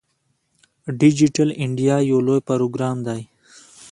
ډیجیټل انډیا یو لوی پروګرام دی.